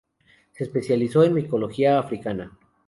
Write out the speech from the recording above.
Se especializó en micología africana.